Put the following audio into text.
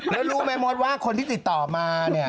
แล้วรู้ไหมมดว่าคนที่ติดต่อมาเนี่ย